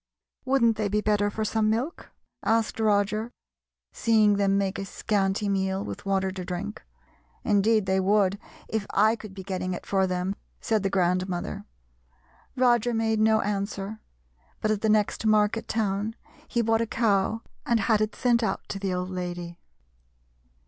"Wouldn't they be better for some milk?" asked Roger, seeing them make a scanty meal, with water to drink. "Indeed they would if I could be getting it for them," said the grandmother. Roger made no answer, but at the next market town he bought a cow and had it sent out to the old lady.